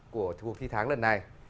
của cuộc thi tháng lần này